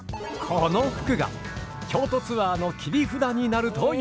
この服が京都ツアーの切り札になるという。